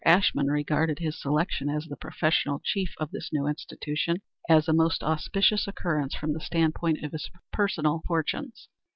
Ashmun regarded his selection as the professional chief of this new institution as a most auspicious occurrence from the standpoint of his personal fortunes.